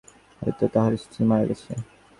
হয়তো তাঁহার স্ত্রী মারা গেছে।